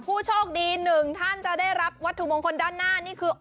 ผู้โชคดีหนึ่งท่านจะได้รับวัตถุมงคลด้านหน้านี่คือ